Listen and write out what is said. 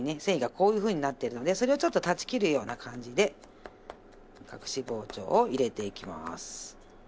繊維がこういうふうになってるのでそれをちょっと断ち切るような感じで隠し包丁を入れていきます。